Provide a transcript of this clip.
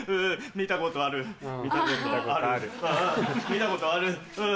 見たことあるうぅ。